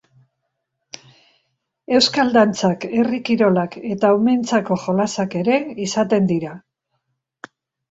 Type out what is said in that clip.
Euskal dantzak, herri kirolak eta umeentzako jolasak ere izaten dira.